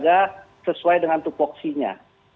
agar sesuai dengan tupuksinya